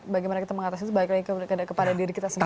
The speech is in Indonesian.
bagaimana kita mengatasi itu balik lagi kepada diri kita sendiri